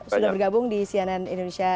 sudah bergabung di cnn indonesia